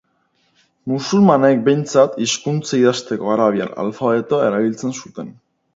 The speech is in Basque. Musulmanek, behintzat, hizkuntza idazteko arabiar alfabetoa erabiltzen zuten.